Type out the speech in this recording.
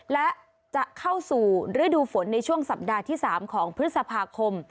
และจะเข้าสู่ฤดูฝนในช่วงสัปดาห์ที่๓ของพฤษภาคม